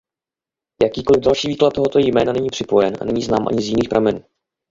Jakýkoliv další výklad tohoto jména není připojen a není znám ani z jiných pramenů.